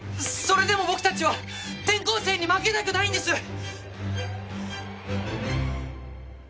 それでも僕たちは転校生に負けたくないんです。